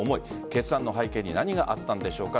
決断の背景に何があったんでしょうか。